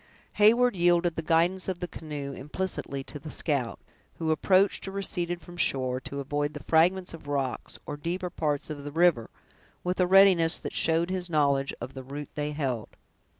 Heyward yielded the guidance of the canoe implicitly to the scout, who approached or receded from the shore, to avoid the fragments of rocks, or deeper parts of the river, with a readiness that showed his knowledge of the route they held.